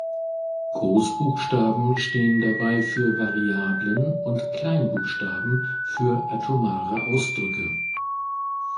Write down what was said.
Großbuchstaben stehen dabei für Variablen und Kleinbuchstaben für atomare Ausdrücke.